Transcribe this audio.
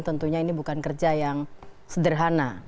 tentunya ini bukan kerja yang sederhana